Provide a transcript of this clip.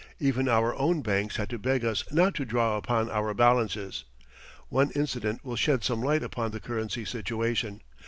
Even our own banks had to beg us not to draw upon our balances. One incident will shed some light upon the currency situation.